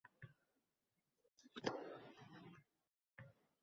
Yuksak, tuyg’ular-la uchaylik har dam.